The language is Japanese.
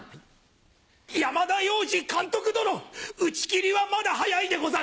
山田洋次監督殿打ち切りはまだ早いでござる！